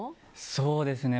そうですね。